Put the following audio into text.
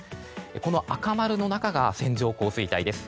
この赤丸の中が線状降水帯です。